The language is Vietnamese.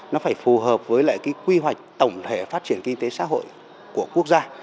nó phải phù hợp với lại cái quy hoạch tổng thể phát triển kinh tế xã hội của quốc gia